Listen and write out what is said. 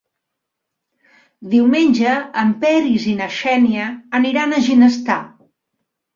Diumenge en Peris i na Xènia aniran a Ginestar.